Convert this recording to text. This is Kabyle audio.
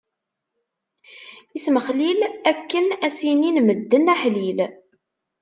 Ismexlil akken ad s-inin medden: aḥlil!